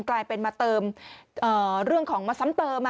กลายเป็นมาเติมเรื่องของมาซ้ำเติม